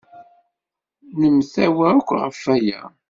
Nemtawa akk ɣef waya.